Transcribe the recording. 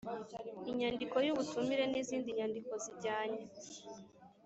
Inyandiko y ubutumire n izindi nyandiko zijyanye